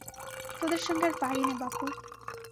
তোদের সঙ্গে আর পারি নে বাপু!